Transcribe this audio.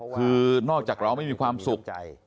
คือนอกจากเราไม่มีความสุข